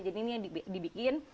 jadi ini yang dibikin